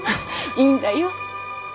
いいんだよ。